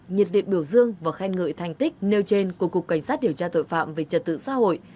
nhiệt điện biểu dương và khen ngợi thành tích nêu trên của cục cảnh sát điều tra tội phạm về trật tự xã hội